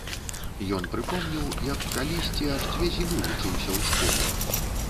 Ён прыпомніў, як калісьці аж дзве зімы вучыўся ў школе.